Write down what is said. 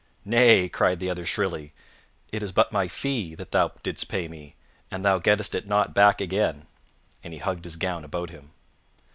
"Nay," cried the other shrilly, "it is but my fee that thou didst pay me, and thou gettest it not back again." And he hugged his gown about him.